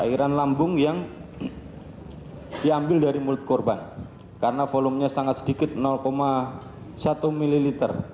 aliran lambung yang diambil dari mulut korban karena volumenya sangat sedikit satu ml